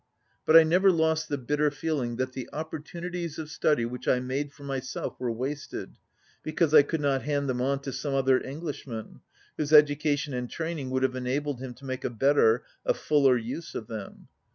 But I never lost the bitter feeling that the opportunities of study which I made for myself were wasted, because I could not hand them on to some other Englishman, whose education and training would have enabled him to make a better, a fuller use of them.